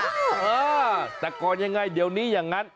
เออแต่ก่อนยังไงเดี๋ยวนี้อย่างนั้น